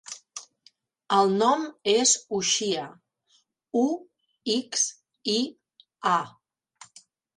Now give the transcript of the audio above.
El nom és Uxia: u, ics, i, a.